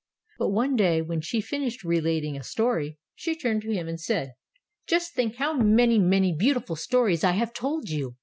But one day, when she finished relating a story, she turned to him and said: ''Just think how many, many beautiful stories I have told you.